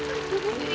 tentang ibu ya allah